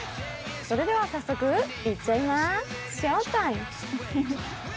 それでは早速、行っちゃいま